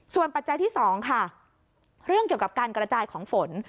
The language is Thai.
ส่วนปัจจัยที่๒ค่ะเรื่องเกี่ยวกับการกระจายของฝน